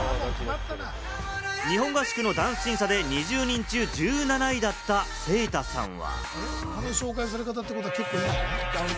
日本合宿のダンス審査で２０人中１７位だったセイタさんは。